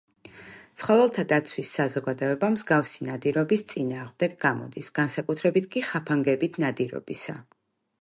ცხოველთა დაცვის საზოგადოება მსგავსი ნადირობის წინააღმდეგ გამოდის, განსაკუთრებით კი ხაფანგებით ნადირობისა.